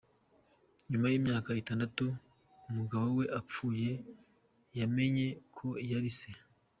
Nyuma y’imyaka Itandatu umugabo we apfuye yamenye ko yari se